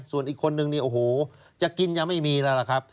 ส่วนอีกคนนึงนี่โอ้โหจะกินยังไม่มีแล้วล่ะครับ